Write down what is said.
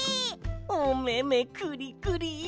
おめめくりくり！